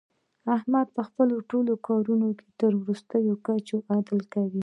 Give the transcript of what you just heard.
احمد په خپلو ټول کارونو کې تر ورستۍ کچې عدل کوي.